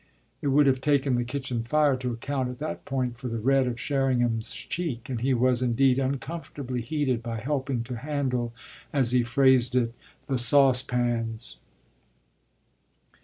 It would have taken the kitchen fire to account at that point for the red of Sherringham's cheek; and he was indeed uncomfortably heated by helping to handle, as he phrased it, the saucepans.